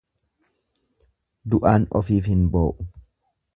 Du'aan ofiif hin boo'u.